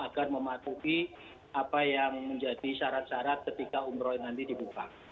agar mematuhi apa yang menjadi syarat syarat ketika umroh nanti dibuka